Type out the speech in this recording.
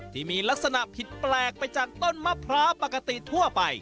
ที่มีลักษณะผิดแปลกไปจากต้นมะพร้าวปกติทั่วไป